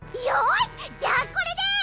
よしじゃあこれで。